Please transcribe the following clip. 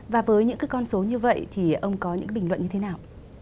và với những con số như vậy thì ông có những bình luận như thế nào